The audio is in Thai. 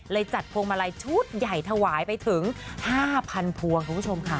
จัดพวงมาลัยชุดใหญ่ถวายไปถึง๕๐๐พวงคุณผู้ชมค่ะ